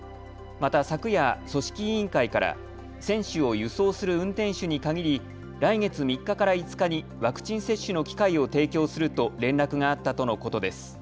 また昨夜、組織委員会から選手を輸送する運転手に限り来月３日から５日にワクチン接種の機会を提供すると連絡があったとのことです。